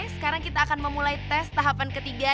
sekarang kita akan memulai tes tahapan ketiga